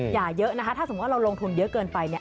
อย่าเยอะนะคะถ้าสมมุติว่าเราลงทุนเยอะเกินไปเนี่ย